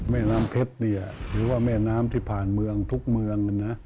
แม่น้ำเพชรเนี่ยหรือว่าแม่น้ำที่ผ่านเมืองทุกเมืองนะ